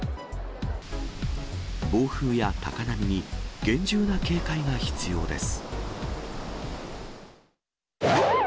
暴風や高波に厳重な警戒が必要です。